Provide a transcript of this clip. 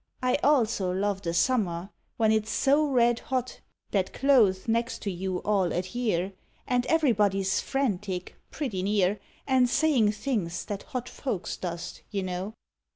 1 I also love the summer when it s so Red hot that clothes next to you all " adhere " 49 SONNETS OF A BUDDING BARD And everybody s frantic, pretty near, And sayin things that hot folks dost, you know?